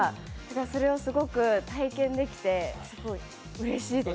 それをすごく体験できてすごいうれしいです。